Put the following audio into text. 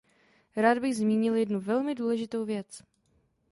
Rád bych zmínil jednu velmi důležitou věc.